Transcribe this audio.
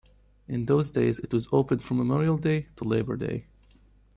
In those days, it was open from Memorial Day to Labor Day.